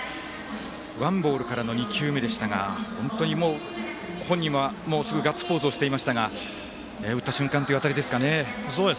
ワンボールからの２球目でしたが本当に本人はすぐガッツポーズしていましたが打った瞬間という当たりですかね。